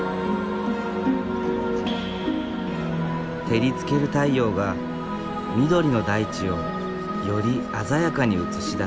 照りつける太陽が緑の大地をより鮮やかに映し出す。